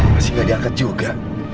masih gak diangkat juga